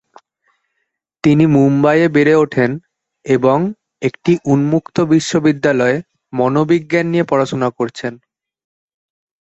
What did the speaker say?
তিনি মুম্বাইয়ে বেড়ে উঠেন এবং একটি উন্মুক্ত বিশ্ববিদ্যালয়ে মনোবিজ্ঞান নিয়ে পড়াশোনা করছেন।